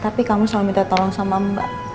tapi kamu selalu minta tolong sama mbak